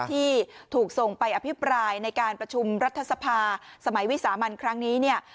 ที่ถูกส่งไปอภิปรายในการประชุมรัฐสภาสมัยวิสามันครั้งนี้เนี่ย